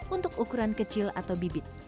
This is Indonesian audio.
untuk ukuran kecil atau bibit